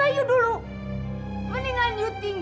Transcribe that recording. ayah yang bikin